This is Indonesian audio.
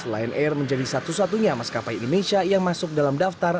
lion air menjadi satu satunya maskapai indonesia yang masuk dalam daftar